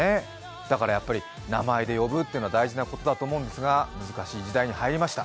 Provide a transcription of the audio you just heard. だから、やっぱり名前で呼ぶのは大事なことだと思いますが難しい時代に入りました。